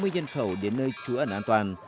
một trăm tám mươi nhân khẩu đến nơi chúa ẩn an toàn